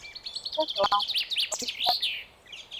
Mtoto wangu ni kioo cha jamii.